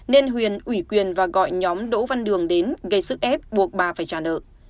nên huyền ủy quyền và gọi nhóm đỗ văn đường đến gây sức ép buộc bà phải trả nợ